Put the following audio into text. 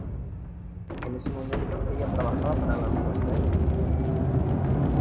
En ese momento, ella trabajaba para la Universidad de Bristol.